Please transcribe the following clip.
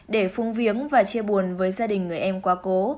để phung viếng và chia buồn với gia đình người em quá cố